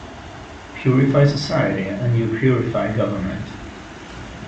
Purify society and you purify government.